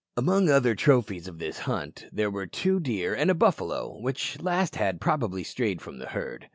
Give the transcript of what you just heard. Among other trophies of this hunt there were two deer and a buffalo, which last had probably strayed from the herd.